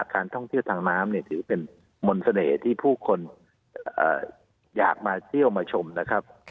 การท่องเที่ยวทางน้ำถือเป็นมนต์เสน่ห์ที่ผู้คนอยากมาเที่ยวมาชมนะครับ